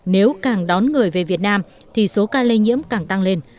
nếu càng đón người về việt nam thì số ca lây nhiễm càng tăng lên